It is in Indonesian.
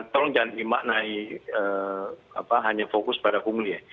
tolong jangan dimaknai hanya fokus pada pungli ya